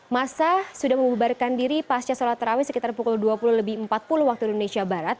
masa sudah mengubahkan diri pasca solat rawih sekitar pukul dua puluh empat puluh waktu indonesia barat